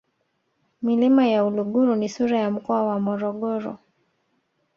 milima ya uluguru ni sura ya mkoa wa morogoro